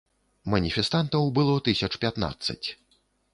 Маніфестантаў было тысяч пятнаццаць.